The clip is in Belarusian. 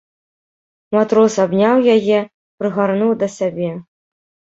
Матрос абняў яе, прыгарнуў да сябе.